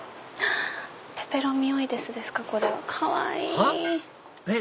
ペペロミオイデスですかこれは。はっ？